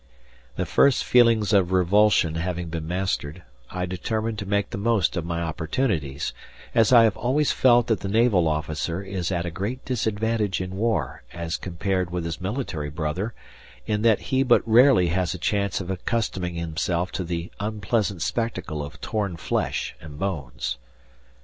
The first feelings of revulsion having been mastered, I determined to make the most of my opportunities, as I have always felt that the naval officer is at a great disadvantage in war as compared with his military brother, in that he but rarely has a chance of accustoming himself to the unpleasant spectacle of torn flesh and bones.